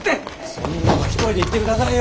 そんなの一人で行ってくださいよ。